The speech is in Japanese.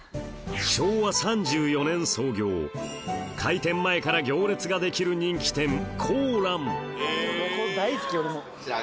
昭和３４年創業開店前から行列ができる人気店香蘭わぁ。